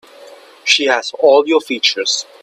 She has all your features.